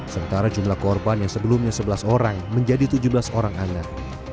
sementara jumlah korban yang sebelumnya sebelas orang menjadi tujuh belas orang anak